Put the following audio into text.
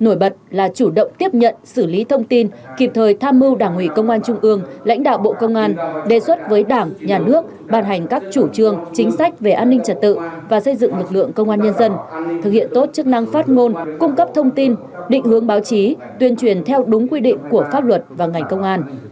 nổi bật là chủ động tiếp nhận xử lý thông tin kịp thời tham mưu đảng ủy công an trung ương lãnh đạo bộ công an đề xuất với đảng nhà nước bàn hành các chủ trương chính sách về an ninh trật tự và xây dựng lực lượng công an nhân dân thực hiện tốt chức năng phát ngôn cung cấp thông tin định hướng báo chí tuyên truyền theo đúng quy định của pháp luật và ngành công an